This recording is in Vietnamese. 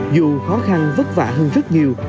dù khó khăn vất vả hơn rất nhiều